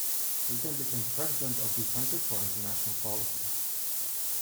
He then became president of the Center for International Policy.